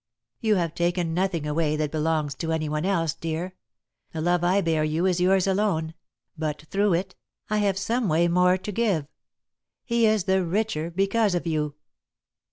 "You have taken nothing away that belongs to anyone else, dear the love I bear you is yours alone, but, through it, I have some way more to give; he is the richer, because of you.